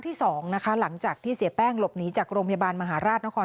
ที่สองนะคะหลังจากที่เสียแป้งหลบหนีจากโรงพยาบาลมหาราชนคร